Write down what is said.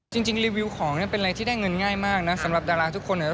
รีวิวของเนี่ยเป็นอะไรที่ได้เงินง่ายมากนะสำหรับดาราทุกคน